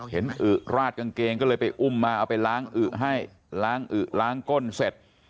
อึราดกางเกงก็เลยไปอุ้มมาเอาไปล้างอึให้ล้างอึล้างก้นเสร็จ